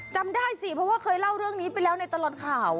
จำได้สิเพราะว่าเคยเล่าเรื่องนี้ไปแล้วในตลอดข่าว